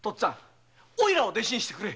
おいらを弟子にしてくれ。